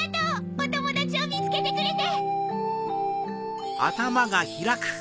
おともだちをみつけてくれて！